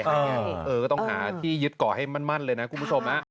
ใช่ก็ต้องหาที่ยึดเกาะให้มั่นเลยนะคุณผู้ชม